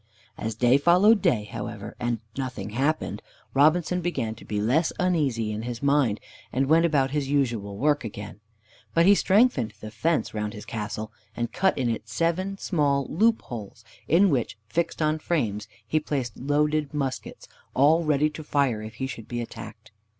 As day followed day, however, and nothing happened, Robinson began to be less uneasy in his mind, and went about his usual work again. But he strengthened the fence round his castle, and cut in it seven small loopholes, in which, fixed on frames, he placed loaded muskets, all ready to fire if he should be attacked.